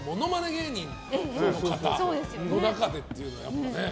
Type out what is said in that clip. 芸人の方の中でというのはやっぱりね。